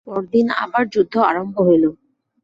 পরদিন আবার যুদ্ধ আরম্ভ হইল।